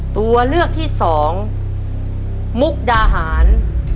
ตัวเลือกที่สองมุกดาหาร